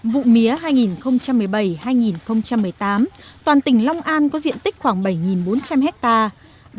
vụ mía hai nghìn một mươi bảy hai nghìn một mươi tám toàn tỉnh long an có diện tích khoảng bảy bốn trăm linh hectare